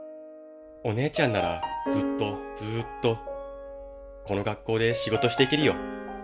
お姉ちゃんならずっとずっとこの学校で仕事していけるよ。